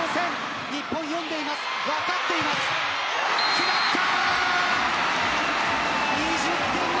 決まった。